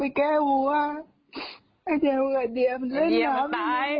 ไอ้เดี่ยมวิวมันเล่นน้ำ๕๐๐ตาม